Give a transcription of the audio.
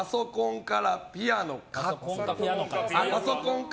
パソコンか？